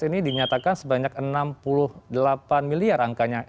ini dinyatakan sebanyak enam puluh delapan miliar angkanya